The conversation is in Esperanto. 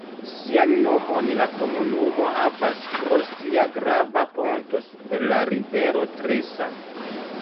Sian nomon la komunumo havas pro sia grava ponto super la rivero Tresa.